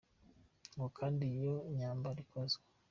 Ngo kandi iyo myambaro ikoze.